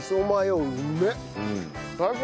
最高！